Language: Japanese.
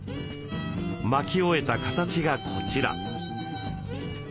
まき終えた形がこちら。